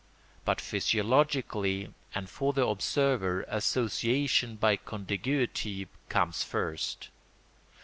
But physiologically and for the observer association by contiguity comes first.